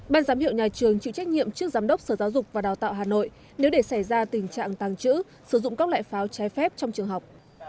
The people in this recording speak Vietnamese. ban giám hiệu nhà trường chịu trách nhiệm trước giám đốc sở giáo dục và đào tạo hà nội nếu để xảy ra tình trạng tăng trữ sử dụng các loại pháo trái phép trong trường học